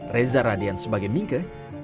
reza radian sebagai mingke